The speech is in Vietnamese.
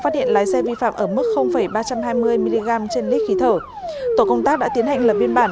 phát hiện lái xe vi phạm ở mức ba trăm hai mươi mg trên lít khí thở tổ công tác đã tiến hành lập biên bản